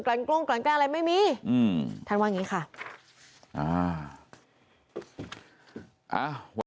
กลางกล้องกลางกลางอะไรไม่มีอืมท่านว่าอย่างงี้ค่ะอ่า